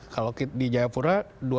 kalau di jayapura dua puluh lima